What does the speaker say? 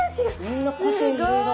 みんな個性いろいろ。